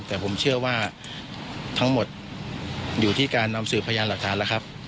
แต่ผมเชื่อว่าทั้งหมดอยู่ที่การนำสืบพยานหลักฐานแล้วครับ